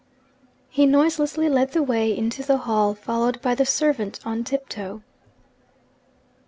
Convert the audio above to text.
He noiselessly led the way into the hall, followed by the servant on tip toe.